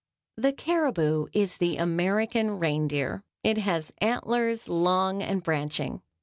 The caribou is the American reindeer. It has antlers, long and branching.